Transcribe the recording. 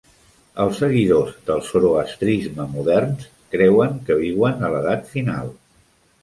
Els seguidors del zoroastrisme moderns creuen que viuen a l'edat final.